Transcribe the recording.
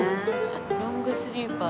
ロングスリーパー。